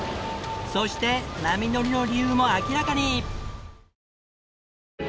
そして「波乗り」の理由も明らかに！